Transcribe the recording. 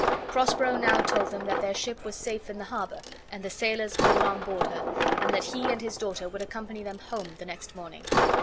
Prospero now told them that their ship was safe in the harbor, and the sailors all on board her, and that he and his daughter would accompany them home the next morning.